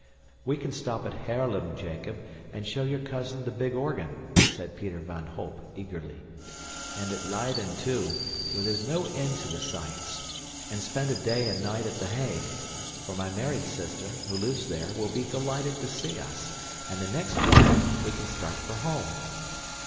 "We can stop at Haarlem, Jacob, and show your cousin the big organ," said Peter van Holp eagerly, "and at Leyden, too, where there's no end to the sights; and spend a day and night at the Hague, for my married sister, who lives there, will be delighted to see us; and the next morning we can start for home."